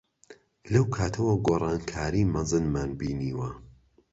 لەو کاتەوە گۆڕانکاریی مەزنمان بینیوە.